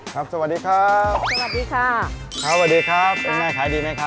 สวัสดีครับสวัสดีค่ะครับสวัสดีครับคุณแม่ขายดีไหมครับ